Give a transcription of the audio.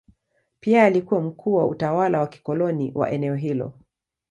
Pia alikuwa mkuu wa utawala wa kikoloni wa eneo hilo.